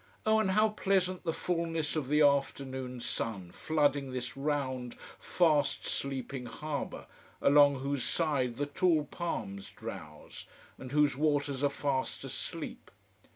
Oh, and how pleasant the fulness of the afternoon sun flooding this round, fast sleeping harbour, along whose side the tall palms drowse, and whose waters are fast asleep.